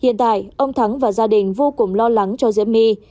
hiện tại ông thắng và gia đình vô cùng lo lắng cho diễm my